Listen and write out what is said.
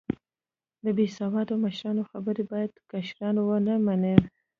د بیسیواده مشرانو خبرې باید کشران و نه منې